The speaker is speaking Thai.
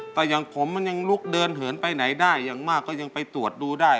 แต่อย่างผมมันยังลุกเดินเหินไปไหนได้อย่างมากก็ยังไปตรวจดูได้